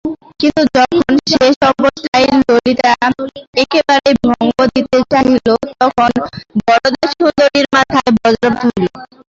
কিন্তু যখন শেষ অবস্থায় ললিতা একেবারেই ভঙ্গ দিতে চাহিল তখন বরদাসুন্দরীর মাথায় বজ্রাঘাত হইল।